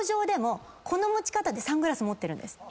この持ち方でサングラス持ってる。